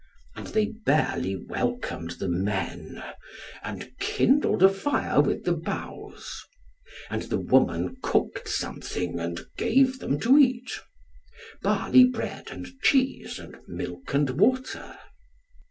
And they barely welcomed the men, and kindled a fire with the boughs. And the woman cooked something and gave them to eat, barley bread, and cheese, and milk and water.